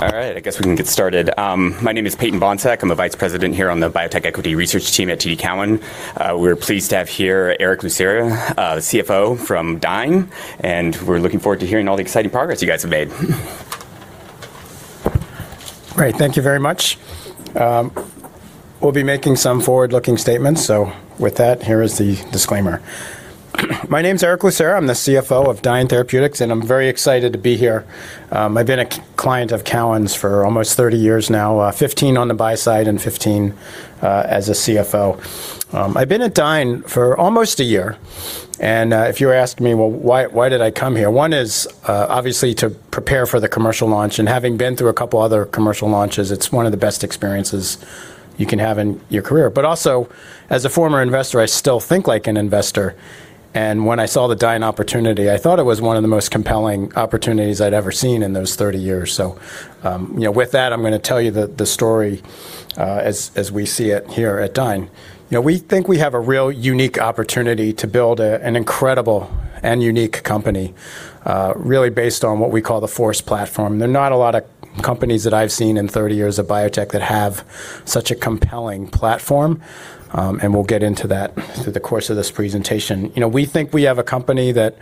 I guess we can get started. My name is Peyton Bohnsack. I'm a vice president here on the Biotech Equity Research team at TD Cowen. We're pleased to have here Erick Lucera, CFO from Dyne, and we're looking forward to hearing all the exciting progress you guys have made. Great. Thank you very much. We'll be making some forward-looking statements. With that, here is the disclaimer. My name's Erick Lucera. I'm the CFO of Dyne Therapeutics. I'm very excited to be here. I've been a client of TD Cowen's for almost 30 years now, 15 on the buy side and 15 as a CFO. I've been at Dyne for almost a year. If you were asking me, well, why did I come here? One is obviously to prepare for the commercial launch. Having been through a couple other commercial launches, it's one of the best experiences you can have in your career. Also, as a former investor, I still think like an investor. When I saw the Dyne opportunity, I thought it was one of the most compelling opportunities I'd ever seen in those 30 years. You know, with that, I'm going to tell you the story as we see it here at Dyne. You know, we think we have a real unique opportunity to build an incredible and unique company really based on what we call the FORCE platform. There are not a lot of companies that I've seen in 30 years of biotech that have such a compelling platform, and we'll get into that through the course of this presentation. You know, we think we have a company that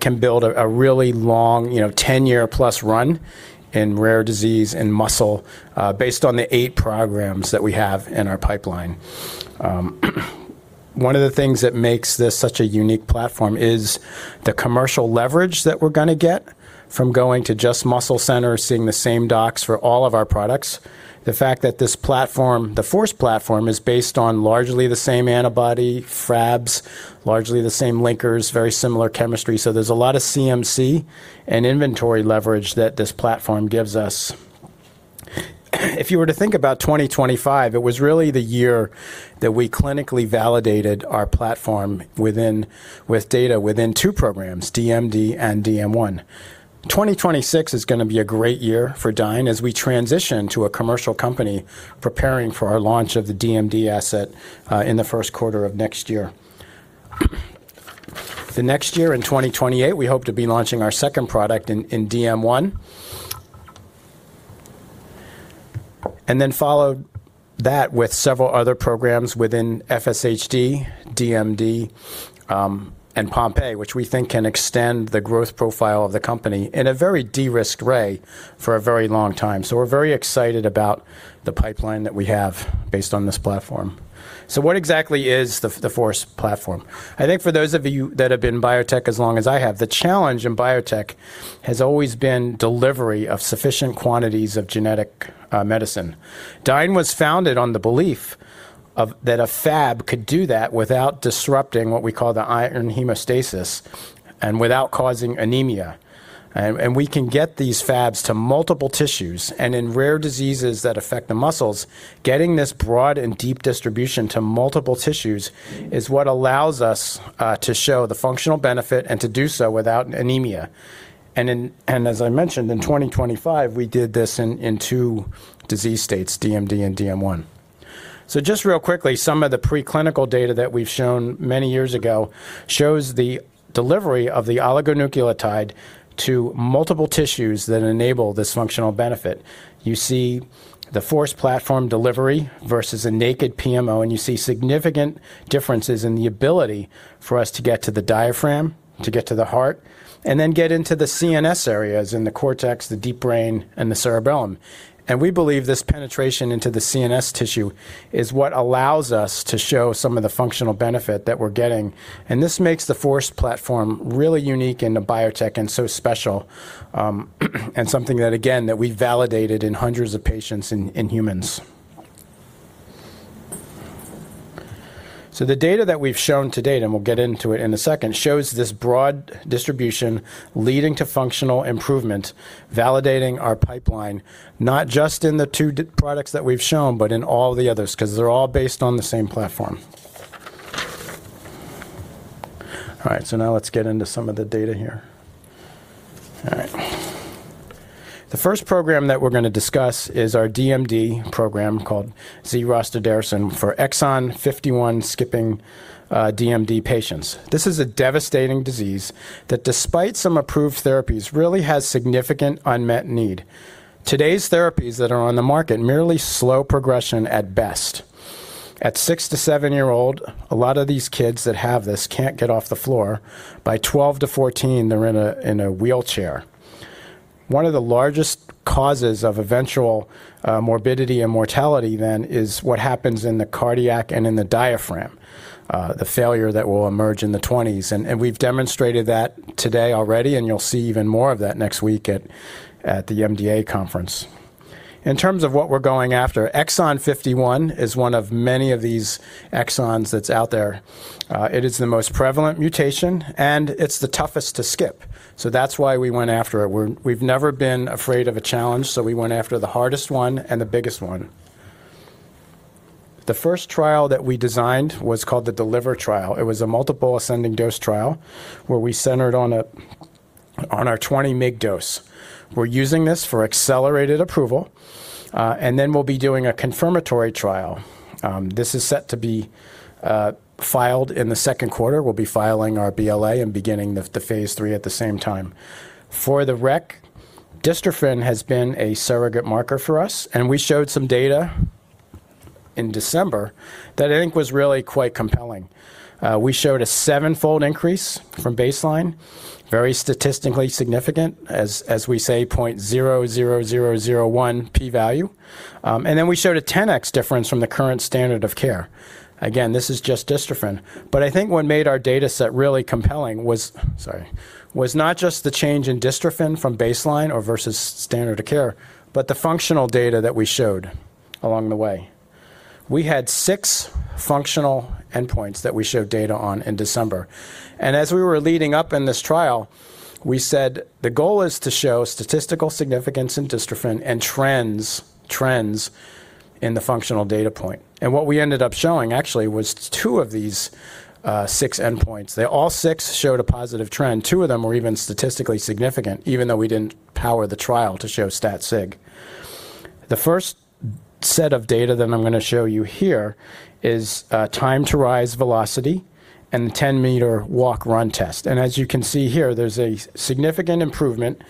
can build a really long, you know, 10-year-plus run in rare disease and muscle based on the eight programs that we have in our pipeline. One of the things that makes this such a unique platform is the commercial leverage that we're going to get from going to just muscle centers, seeing the same docs for all of our products. The fact that this platform, the FORCE platform, is based on largely the same antibody, Fabs, largely the same linkers, very similar chemistry, so there's a lot of CMC and inventory leverage that this platform gives us. If you were to think about 2025, it was really the year that we clinically validated our platform with data within two programs, DMD and DM1. 2026 is going to be a great year for Dyne as we transition to a commercial company preparing for our launch of the DMD asset in the 1st quarter of next year. The next year in 2028, we hope to be launching our second product in DM1. Then follow that with several other programs within FSHD, DMD, and Pompe, which we think can extend the growth profile of the company in a very de-risked way for a very long time. We're very excited about the pipeline that we have based on this platform. What exactly is the FORCE platform? I think for those of you that have been in biotech as long as I have, the challenge in biotech has always been delivery of sufficient quantities of genetic medicine. Dyne was founded on the belief that a Fab could do that without disrupting what we call iron homeostasis and without causing anemia. We can get these Fabs to multiple tissues, and in rare diseases that affect the muscles, getting this broad and deep distribution to multiple tissues is what allows us to show the functional benefit and to do so without anemia. As I mentioned, in 2025, we did this in two disease states, DMD and DM1. Just real quickly, some of the preclinical data that we've shown many years ago shows the delivery of the oligonucleotide to multiple tissues that enable this functional benefit. You see the FORCE platform delivery versus a naked PMO, and you see significant differences in the ability for us to get to the diaphragm, to get to the heart, and then get into the CNS areas in the cortex, the deep brain, and the cerebellum. We believe this penetration into the CNS tissue is what allows us to show some of the functional benefit that we're getting. This makes the FORCE platform really unique in the biotech and special, and something that, again, that we validated in hundreds of patients in humans. The data that we've shown to date, and we'll get into it in a second, shows this broad distribution leading to functional improvement, validating our pipeline, not just in the two products that we've shown, but in all the others 'cause they're all based on the same platform. Now let's get into some of the data here. The first program that we're going to discuss is our DMD program called zirasatersen for exon 51 skipping DMD patients. This is a devastating disease that, despite some approved therapies, really has significant unmet need. Today's therapies that are on the market merely slow progression at best. At six to seven year old, a lot of these kids that have this can't get off the floor. By 12 to 14, they're in a wheelchair. One of the largest causes of eventual morbidity and mortality then is what happens in the cardiac and in the diaphragm, the failure that will emerge in the 20s. We've demonstrated that today already, and you'll see even more of that next week at the MDA conference. In terms of what we're going after, exon 51 is one of many of these exons that's out there. It is the most prevalent mutation, and it's the toughest to skip. That's why we went after it. We've never been afraid of a challenge, so we went after the hardest one and the biggest one. The first trial that we designed was called the DELIVER trial. It was a multiple ascending dose trial where we centered on our 20 mig dose. We're using this for Accelerated Approval. Then we'll be doing a confirmatory trial. This is set to be filed in the second quarter. We'll be filing our BLA and beginning the phase 3 at the same time. For the rec, dystrophin has been a surrogate marker for us, and we showed some data in December that I think was really quite compelling. We showed a seven-fold increase from baseline, very statistically significant, as we say, 0.00001 p-value. Then we showed a 10x difference from the current standard of care. This is just dystrophin. I think what made our data set really compelling was, sorry, was not just the change in dystrophin from baseline or versus standard of care, but the functional data that we showed along the way. We had six functional endpoints that we showed data on in December. As we were leading up in this trial, we said the goal is to show statistical significance in dystrophin and trends in the functional data point. What we ended up showing actually was two of these six endpoints. They all six showed a positive trend. Two of them were even statistically significant, even though we didn't power the trial to show stat sig. The first set of data that I'm going to show you here is Time to Rise Velocity and the 10-meter walk/run test. As you can see here, there's a significant improvement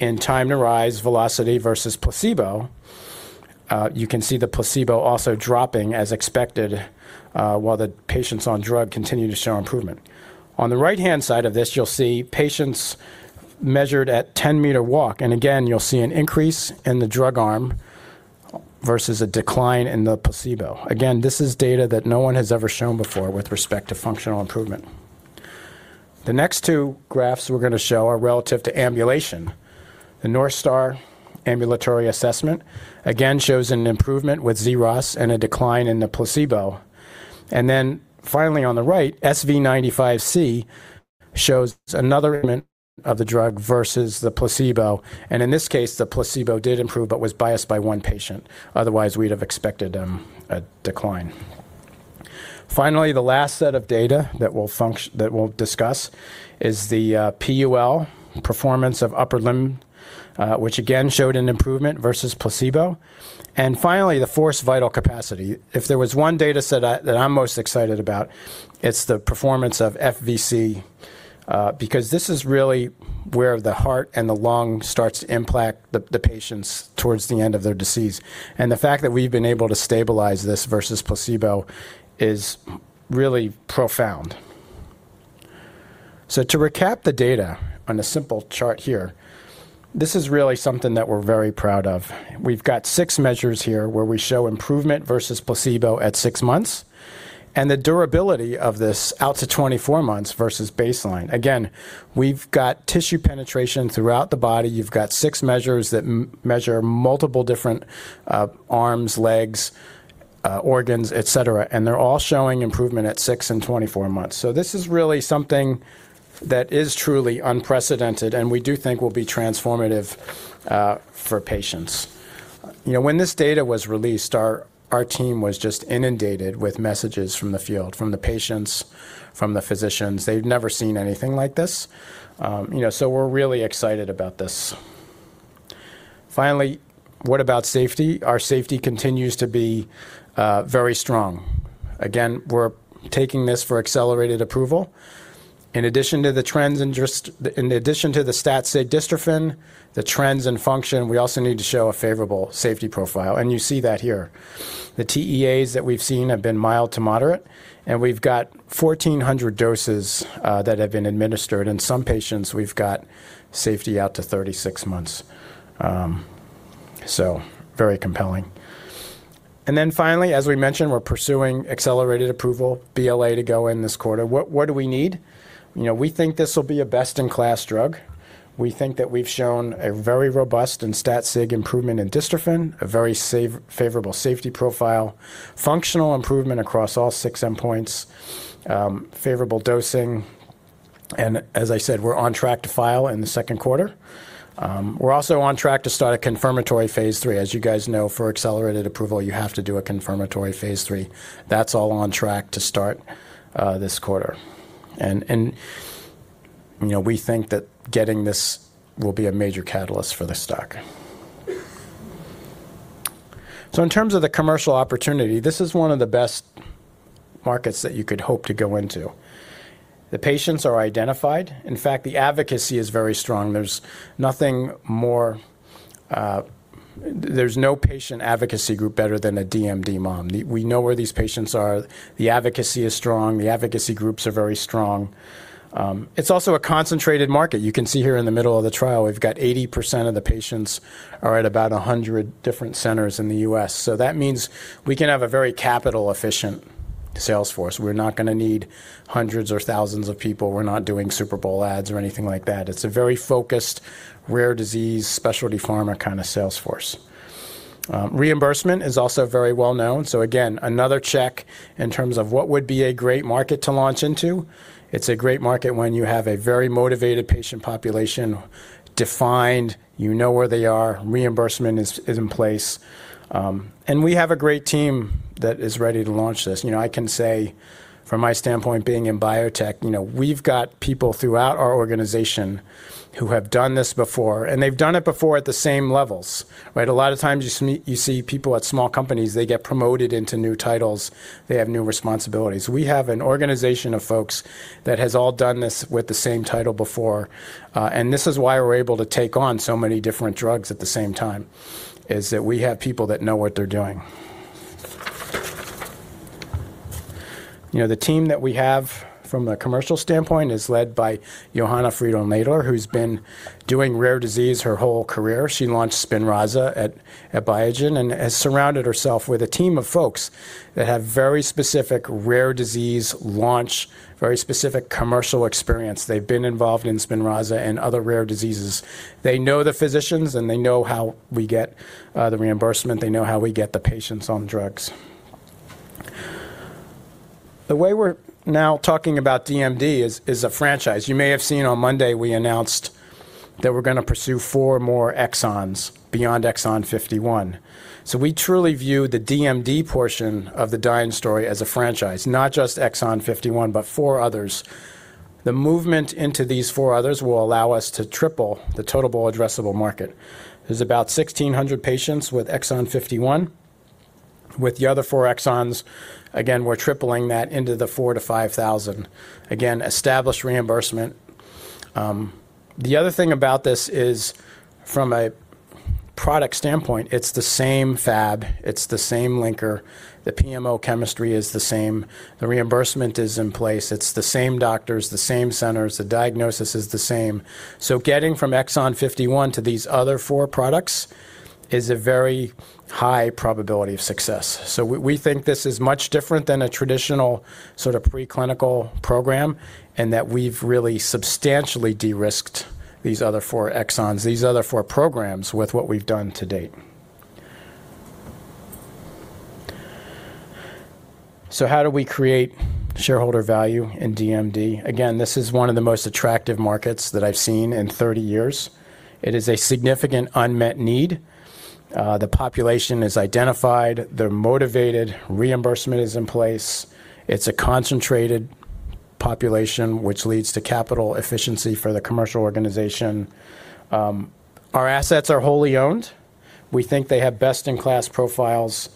in Time to Rise Velocity versus placebo. You can see the placebo also dropping as expected, while the patients on drug continue to show improvement. On the right-hand side of this, you'll see patients measured at 10-meter walk, again, you'll see an increase in the drug arm versus a decline in the placebo. This is data that no one has ever shown before with respect to functional improvement. The next two graphs we're going to show are relative to ambulation. The North Star Ambulatory Assessment shows an improvement with zROS and a decline in the placebo. Finally on the right, SV95C shows another improvement of the drug versus the placebo, in this case, the placebo did improve but was biased by one patient. Otherwise, we'd have expected a decline. Finally, the last set of data that we'll discuss is the PUL, performance of upper limb, which again showed an improvement versus placebo. Finally, the forced vital capacity. If there was one data set that I'm most excited about, it's the performance of FVC, because this is really where the heart and the lung starts to impact the patients towards the end of their disease. The fact that we've been able to stabilize this versus placebo is really profound. To recap the data on a simple chart here, this is really something that we're very proud of. We've got six measures here where we show improvement versus placebo at six months, and the durability of this out to 24 months versus baseline. We've got tissue penetration throughout the body. You've got six measures that measure multiple different arms, legs, organs, et cetera, and they're all showing improvement at six and 24 months. This is really something that is truly unprecedented and we do think will be transformative for patients. You know, when this data was released, our team was just inundated with messages from the field, from the patients, from the physicians. They've never seen anything like this. You know, we're really excited about this. What about safety? Our safety continues to be very strong. We're taking this for Accelerated Approval. In addition to the stat sig dystrophin, the trends in function, we also need to show a favorable safety profile, and you see that here. The TEAs that we've seen have been mild to moderate, and we've got 1,400 doses that have been administered. In some patients, we've got safety out to 36 months. Very compelling. Finally, as we mentioned, we're pursuing accelerated approval BLA to go in this quarter. What, what do we need? You know, we think this will be a best-in-class drug. We think that we've shown a very robust and stat sig improvement in dystrophin, a very favorable safety profile, functional improvement across all six endpoints, favorable dosing, as I said, we're on track to file in the second quarter. We're also on track to start a confirmatory phase 3. You guys know, for accelerated approval, you have to do a confirmatory phase 3. That's all on track to start this quarter. You know, we think that getting this will be a major catalyst for the stock. In terms of the commercial opportunity, this is one of the best markets that you could hope to go into. The patients are identified. In fact, the advocacy is very strong. There's nothing more, there's no patient advocacy group better than a DMD mom. We know where these patients are. The advocacy is strong. The advocacy groups are very strong. It's also a concentrated market. You can see here in the middle of the trial, we've got 80% of the patients are at about 100 different centers in the U.S. That means we can have a very capital-efficient sales force. We're not going to need hundreds or thousands of people. We're not doing Super Bowl ads or anything like that. It's a very focused, rare disease, specialty pharma kind of sales force. Reimbursement is also very well-known. Again, another check in terms of what would be a great market to launch into. It's a great market when you have a very motivated patient population defined, you know where they are, reimbursement is in place. We have a great team that is ready to launch this. You know, I can say from my standpoint being in biotech, you know, we've got people throughout our organization who have done this before, and they've done it before at the same levels, right? A lot of times you see people at small companies, they get promoted into new titles, they have new responsibilities. We have an organization of folks that has all done this with the same title before. This is why we're able to take on so many different drugs at the same time, is that we have people that know what they're doing. You know, the team that we have from a commercial standpoint is led by Johanna Friedl-Nader, who's been doing rare disease her whole career. She launched Spinraza at Biogen and has surrounded herself with a team of folks that have very specific rare disease launch, very specific commercial experience. They've been involved in Spinraza and other rare diseases. They know the physicians, and they know how we get the reimbursement. They know how we get the patients on drugs. The way we're now talking about DMD is a franchise. You may have seen on Monday we announced that we're going to pursue four more exons beyond exon 51. We truly view the DMD portion of the Dyne story as a franchise. Not just exon 51, but four others. The movement into these four others will allow us to triple the total addressable market. There's about 1,600 patients with exon 51. With the other four exons, again, we're tripling that into the 4,000-5,000. Again, established reimbursement. The other thing about this is, from a product standpoint, it's the same Fab, it's the same linker. The PMO chemistry is the same. The reimbursement is in place. It's the same doctors, the same centers. The diagnosis is the same. Getting from exon 51 to these other four products is a very high probability of success. We think this is much different than a traditional sort of preclinical program, and that we've really substantially de-risked these other four exons, these other four programs with what we've done to date. How do we create shareholder value in DMD? Again, this is one of the most attractive markets that I've seen in 30 years. It is a significant unmet need. The population is identified. They're motivated. Reimbursement is in place. It's a concentrated population, which leads to capital efficiency for the commercial organization. Our assets are wholly owned. We think they have best-in-class profiles,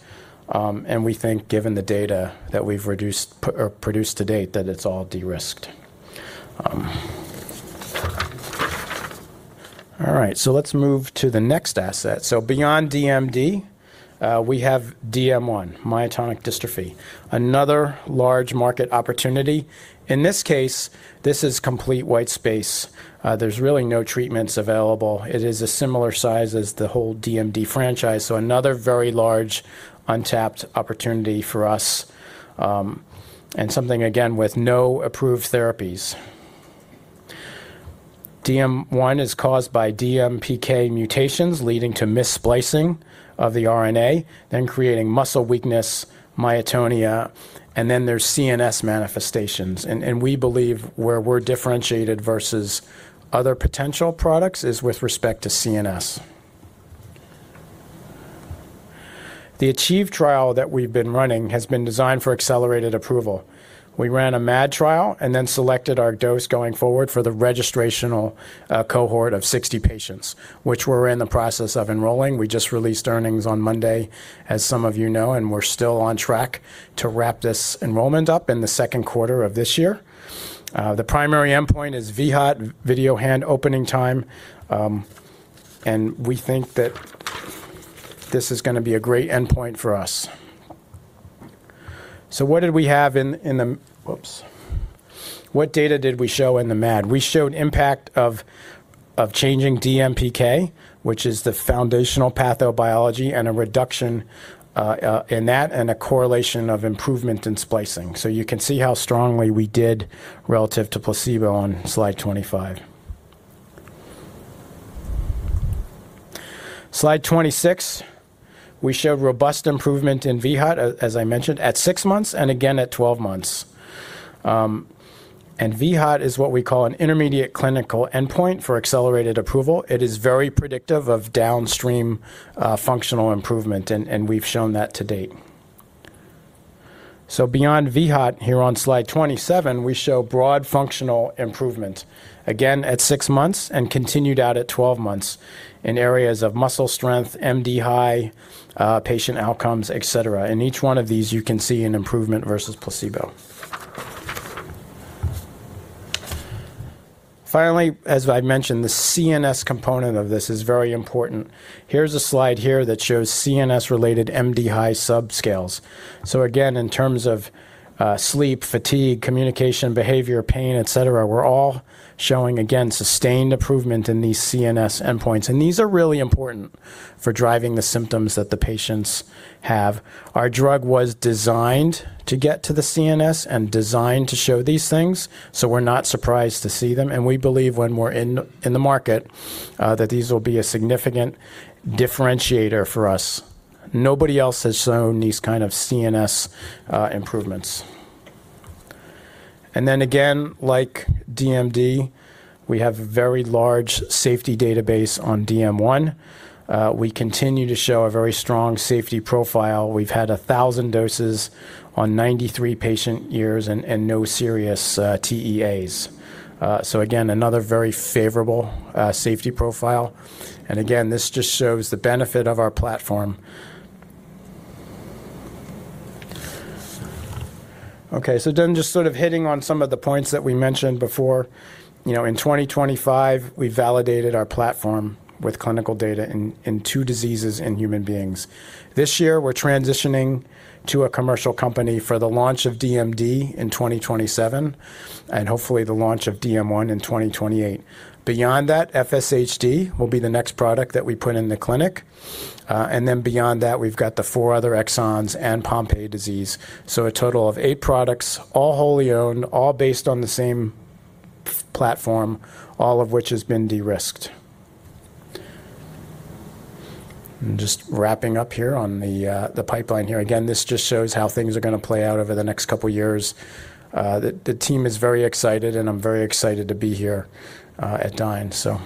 and we think given the data that we've produced to date, that it's all de-risked. All right, let's move to the next asset. Beyond DMD, we have DM1, Myotonic Dystrophy. Another large market opportunity. In this case, this is complete white space. There's really no treatments available. It is a similar size as the whole DMD franchise, another very large untapped opportunity for us, and something again with no approved therapies. DM1 is caused by DMPK mutations leading to missplicing of the RNA, then creating muscle weakness, myotonia, and then there's CNS manifestations. We believe where we're differentiated versus other potential products is with respect to CNS. The ACHIEVE trial that we've been running has been designed for Accelerated Approval. We ran a MAD trial and then selected our dose going forward for the registrational cohort of 60 patients, which we're in the process of enrolling. We just released earnings on Monday, as some of you know, we're still on track to wrap this enrollment up in the second quarter of this year. The primary endpoint is VHOT, video hand opening time, and we think that this is going to be a great endpoint for us. What data did we show in the MAD? We showed impact of changing DMPK, which is the foundational pathobiology, and a reduction in that, and a correlation of improvement in splicing. You can see how strongly we did relative to placebo on slide 25. Slide 26, we showed robust improvement in VHOT, as I mentioned, at six months and again at 12 months. And VHOT is what we call an intermediate clinical endpoint for Accelerated Approval. It is very predictive of downstream, functional improvement, and we've shown that to date. Beyond VHOT, here on slide 27, we show broad functional improvement, again at six months and continued out at 12 months in areas of muscle strength, MDHI, patient outcomes, et cetera. In each one of these, you can see an improvement versus placebo. As I've mentioned, the CNS component of this is very important. Here's a slide here that shows CNS-related MDHI subscales. Again, in terms of sleep, fatigue, communication, behavior, pain, et cetera, we're all showing again sustained improvement in these CNS endpoints. These are really important for driving the symptoms that the patients have. Our drug was designed to get to the CNS and designed to show these things, so we're not surprised to see them, and we believe when we're in the market, that these will be a significant differentiator for us. Nobody else has shown these kind of CNS improvements. Like DMD, we have a very large safety database on DM1. We continue to show a very strong safety profile. We've had 1,000 doses on 93 patient years and no serious TEAs. Again, another very favorable safety profile. Again, this just shows the benefit of our platform. Just sort of hitting on some of the points that we mentioned before. You know, in 2025, we validated our platform with clinical data in two diseases in human beings. This year, we're transitioning to a commercial company for the launch of DMD in 2027, and hopefully the launch of DM1 in 2028. FSHD will be the next product that we put in the clinic. Then beyond that, we've got the four other exons and Pompe disease. A total of eight products, all wholly owned, all based on the same platform, all of which has been de-risked. Just wrapping up here on the pipeline here. Again, this just shows how things are going to play out over the next couple years. The team is very excited, and I'm very excited to be here at Dyne.